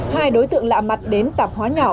hai đối tượng lạ mặt đến tạp hóa nhỏ